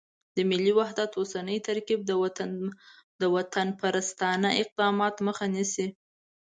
د ملي وحدت اوسنی ترکیب د وطنپرستانه اقداماتو مخه نیسي.